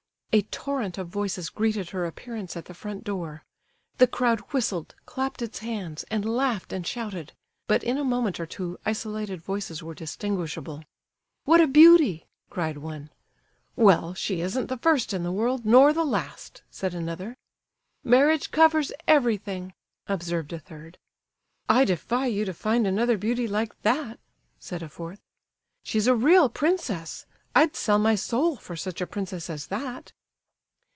A torrent of voices greeted her appearance at the front door. The crowd whistled, clapped its hands, and laughed and shouted; but in a moment or two isolated voices were distinguishable. "What a beauty!" cried one. "Well, she isn't the first in the world, nor the last," said another. "Marriage covers everything," observed a third. "I defy you to find another beauty like that," said a fourth. "She's a real princess! I'd sell my soul for such a princess as that!"